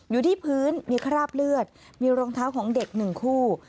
อยู่ที่พื้นมีคราบเลือดมีรองเท้าของเด็ก๑คู่